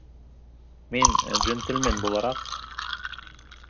Мин джентльмен булараҡ...